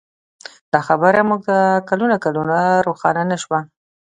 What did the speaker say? دا خبره موږ ته کلونه کلونه روښانه نه شوه.